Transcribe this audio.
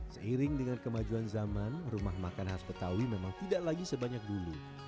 seiring dengan kemajuan zaman rumah makan khas betawi memang tidak lagi sebanyak dulu